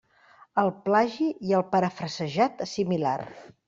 El plagi i el parafrasejat similar.